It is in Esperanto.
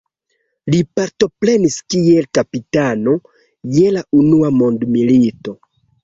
Li partoprenis kiel kapitano je la unua mondmilito.